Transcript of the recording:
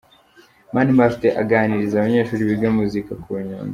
Mani Martin aganiriza abanyeshuri biga muzika ku Nyundo.